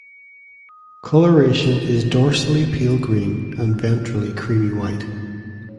Coloration is dorsally pale green and ventrally creamy white.